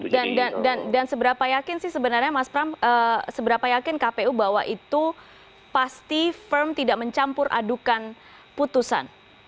dan seberapa yakin sih sebenarnya mas pram seberapa yakin kpu bahwa itu pasti firm tidak mencampur adukan putusan